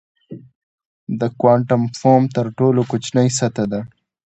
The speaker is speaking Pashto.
د کوانټم فوم تر ټولو کوچنۍ سطحه ده.